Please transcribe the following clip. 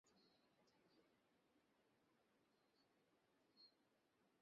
সে হয়তো ভুল করেছে।